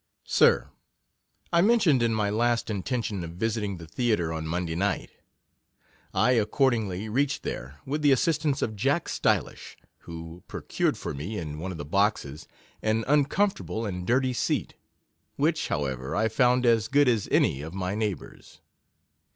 Sir, I mentioned in my last my intention of visiting the Theatre on Monday night. I accordingly reached there, with the assistance of Jack Stylish, who procured for me in one of the boxes an uncomfortable and dirty seat, which, however, I found as good as any of my neighbours.